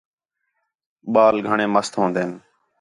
ٻال گھݨیں مَست ہون٘دین